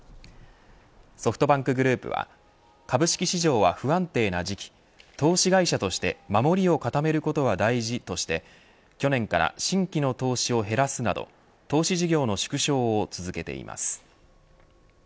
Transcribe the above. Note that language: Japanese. ソフトバンクグループは株式市場は不安定な時期投資会社として守りを固めることは大事として去年から新規の投資を減らすなど投資事業の縮小を続けています。